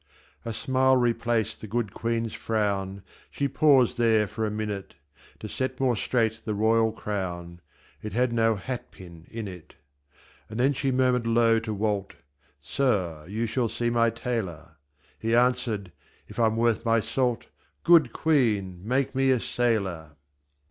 A smile replaced the good queen's frown, She paused there for a minute To set more straight the royal crown (It had no hat pin in it). And then she murmured low to Walt.: "Sir, you shall see my tailor." He answered: "If I'm worth my salt, Good queen, make me a sailor!"